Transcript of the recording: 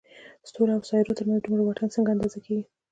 ستورو او سيارو تر منځ دومره واټن څنګه اندازه کېږي؟